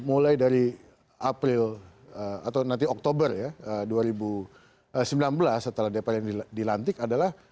mulai dari april atau nanti oktober ya dua ribu sembilan belas setelah dpr dilantik adalah